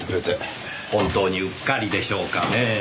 本当にうっかりでしょうかねぇ？